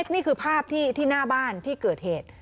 นี่คือภาพที่หน้าบ้านที่เกิดเหตุ